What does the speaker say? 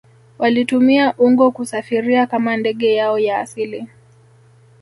Walitumia ungo kusafiria kama ndege yao ya asili